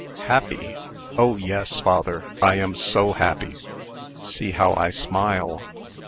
"Happy? Oh! yes, father, I am so happy! See how I smile."